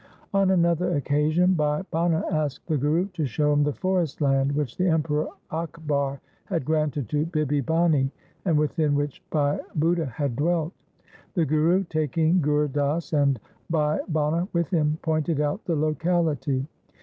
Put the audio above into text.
On another occasion Bhai Bhana asked the Guru to show him the forest land which the Emperor Akbar had granted to Bibi Bhani and within which Bhai Budha had dwelt. The Guru taking Gur Das and Bhai Bhana with him pointed out the locality.